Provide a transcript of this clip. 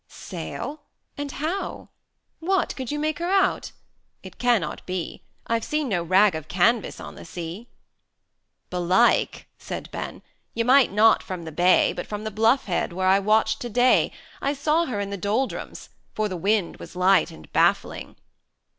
"Sail! and how? What! could you make her out? It cannot be; I've seen no rag of canvass on the sea." "Belike," said Ben, "you might not from the bay, But from the bluff head, where I watched to day, I saw her in the doldrums; for the wind Was light and baffling."